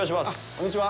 こんにちは。